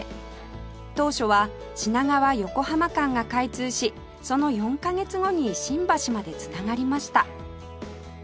当初は品川横浜間が開通しその４カ月後に新橋まで繋がりました